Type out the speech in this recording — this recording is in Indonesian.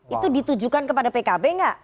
itu ditujukan kepada pkb nggak